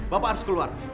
bapak harus keluar